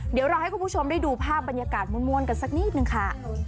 เดี๋ยวเราให้คุณผู้ชมได้ดูภาพบรรยากาศมวลกันสักนิดนึงค่ะ